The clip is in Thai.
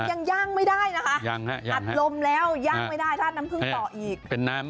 ยังย่างไม่ได้นะคะยังฮะอัดลมแล้วย่างไม่ได้ราดน้ำผึ้งต่ออีก